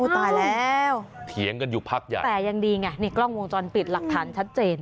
ตายแล้วเถียงกันอยู่พักใหญ่แต่ยังดีไงนี่กล้องวงจรปิดหลักฐานชัดเจน